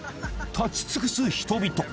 立ち尽くす人々